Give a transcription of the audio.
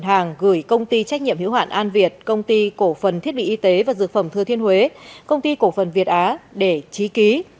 hằng gửi công ty trách nhiệm hiểu hoạn an việt công ty cổ phần thiết bị y tế và dược phẩm thưa thiên huế công ty cổ phần việt á để trí ký